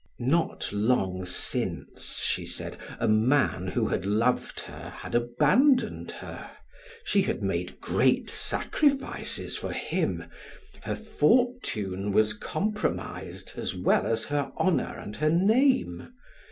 Not long since, she said, a man who loved her had abandoned her. She had made great sacrifices for him; her fortune was compromised as well as her honor and her name.